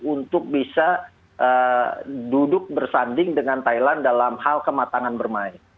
untuk bisa duduk bersanding dengan thailand dalam hal kematangan bermain